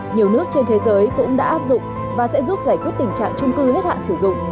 nhiều nước trên thế giới cũng đã áp dụng và sẽ giúp giải quyết tình trạng trung cư hết hạn sử dụng